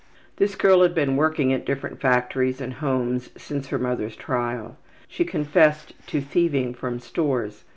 '' This girl had been working at different factories and homes since her mother's trial. She confessed to thieving from stores.